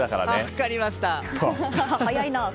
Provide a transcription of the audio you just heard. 分かりました。